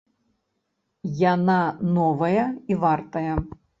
Яна новая і вартая.